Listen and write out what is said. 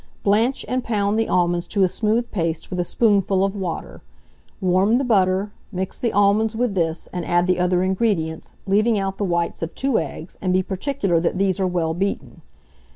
Blanch and pound the almonds to a smooth paste with a spoonful of water; warm the butter, mix the almonds with this, and add the other ingredients, leaving out the whites of 2 eggs, and be particular that these are well beaten.